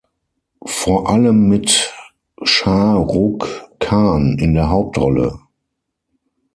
Vor allem mit Shah Rukh Khan in der Hauptrolle.